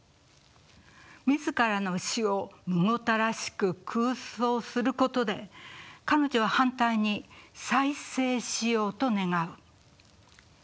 自らの死をむごたらしく空想することで彼女は反対に再生しようと願う。